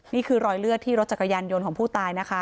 นี่คือรอยเลือดที่รถจักรยานยนต์ของผู้ตายนะคะ